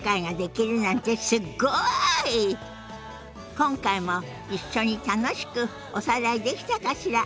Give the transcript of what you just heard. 今回も一緒に楽しくおさらいできたかしら？